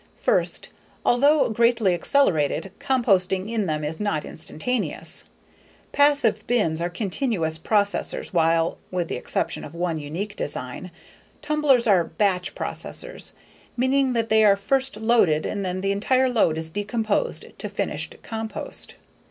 First, although greatly accelerated, composting in them is not instantaneous. Passive bins are continuous processors while (with the exception of one unique design) tumblers are "batch" processors, meaning that they are first loaded and then the entire load is decomposed to finished compost.